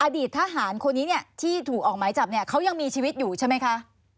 อดีตทหารคนนี้เนี่ยที่ถูกออกหมายจับเนี่ยเขายังมีชีวิตอยู่ใช่ไหมคะ